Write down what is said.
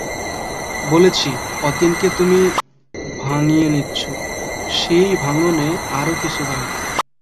বলেছি, অতীনকে তুমি ভাঙিয়ে নিচ্ছ, সেই ভাঙনে আরও কিছু ভাঙবে।